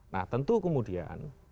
nah tentu kemudian